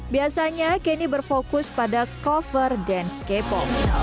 biasanya kenny berfokus pada cover dancecape